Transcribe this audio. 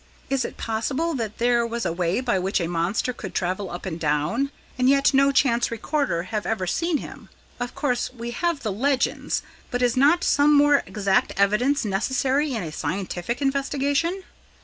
Is it possible that there was a way by which a monster could travel up and down, and yet no chance recorder have ever seen him? Of course we have the legends; but is not some more exact evidence necessary in a scientific investigation?"